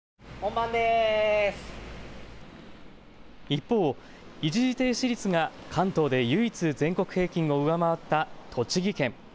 一方、一時停止率が関東で唯一、全国平均を上回った栃木県。